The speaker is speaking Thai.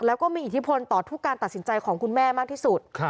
แล้วก็มีอิทธิพลต่อทุกการตัดสินใจของคุณแม่มากที่สุด